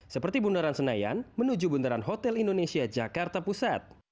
seperti bundaran senayan menuju bundaran hotel indonesia jakarta pusat